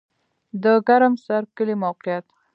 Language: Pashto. د ګرم سر کلی موقعیت